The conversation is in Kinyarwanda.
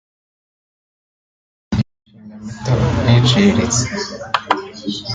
imishinga mito n’iciritse